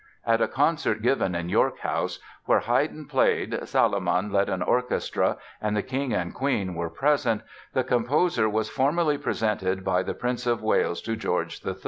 At a concert given in York House, where Haydn played, Salomon led an orchestra and the King and Queen were present, the composer was formally presented by the Prince of Wales to George III.